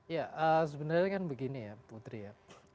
ya sebenarnya kan begini ya putri ya